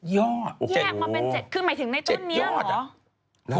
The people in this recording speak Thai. ยอดแยกมาเป็น๗คือหมายถึงในต้นนี้เหรอ